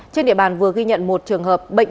trên địa bàn vừa ghi nhận một trường hợp bệnh